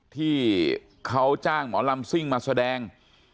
ที่เขาจ้างหมอลำซิ่งมาแสดง